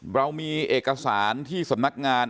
เรามีเอกสารที่สำนักงาน